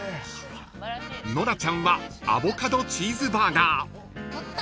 ［ノラちゃんはアボカドチーズバーガー］